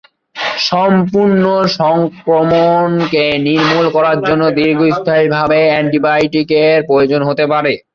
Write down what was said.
সম্পূর্ণ সংক্রমণকে নির্মূল করার জন্য দীর্ঘস্থায়ী অ্যান্টিবায়োটিকের প্রয়োজন হতে পারে।